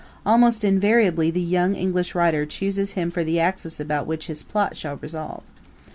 Almost invariably the young English writer chooses him for the axis about which his plot shall revolve.